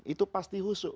itu pasti husu